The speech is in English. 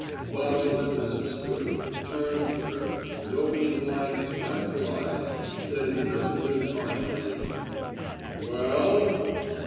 Father Olympus stood still, turned to her, and opening wide his wrathful eyes, said impressively and harshly: "Well?!"